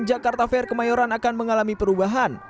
jakarta fair kemayoran akan mengalami perubahan